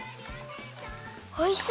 おいしそう！